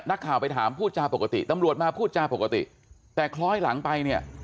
นักข่าวไปถามพูดจาปกติตำรวจมาพูดจาปกติแต่คล้อยหลังไปเนี่ย